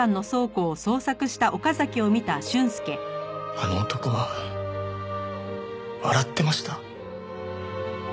あの男は笑ってました。